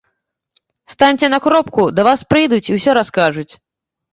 Станьце на кропку, да вас прыйдуць і ўсё раскажуць.